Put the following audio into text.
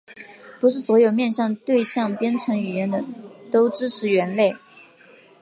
不是所有面向对象编程语言都支持元类。